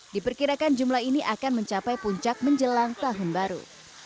diperkirakan jumlah ini akan mencapai puncak menjelang tahun baru